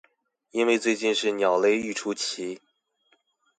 因為最近是鳥類育雛期